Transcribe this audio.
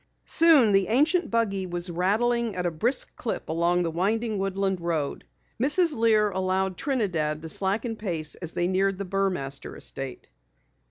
Soon the ancient buggy was rattling at a brisk clip along the winding woodland road. Mrs. Lear allowed Trinidad to slacken pace as they neared the Burmaster estate.